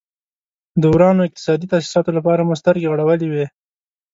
د ورانو اقتصادي تاسیساتو لپاره مو سترګې غړولې وې.